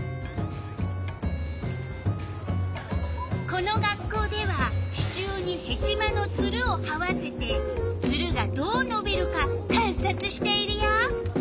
この学校では支柱にヘチマのツルをはわせてツルがどうのびるか観察しているよ。